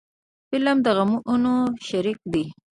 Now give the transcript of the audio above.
فلم د غمونو شریک دی